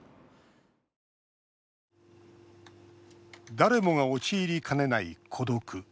誰もが陥りかねない孤独。